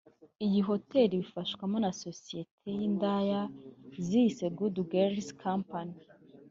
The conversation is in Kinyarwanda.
Iyi hoteli ibifashwamo na sosiyete y’indaya ziyise Good Girls Company